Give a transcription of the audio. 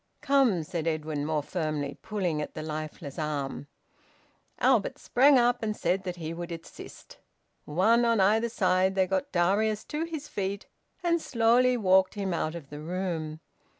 "Come!" said Edwin more firmly, pulling at the lifeless arm. Albert sprang up, and said that he would assist. One on either side, they got Darius to his feet, and slowly walked him out of the room.